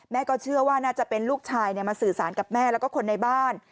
เชื่อว่าน่าจะเป็นลูกชายมาสื่อสารกับแม่แล้วก็คนในบ้าน